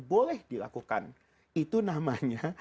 boleh dilakukan itu namanya